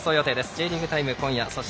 「Ｊリーグタイム」は今夜。